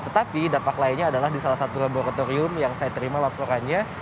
tetapi dampak lainnya adalah di salah satu laboratorium yang saya terima laporannya